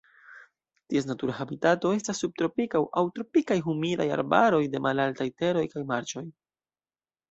Ties natura habitato estas subtropikaj aŭ tropikaj humidaj arbaroj de malaltaj teroj kaj marĉoj.